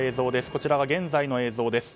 こちらは現在の映像です。